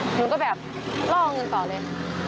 หนูก็แบบล่อเงินต่อเลย